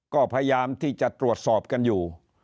ก็พยายามที่จะตรวจสอบกันอยู่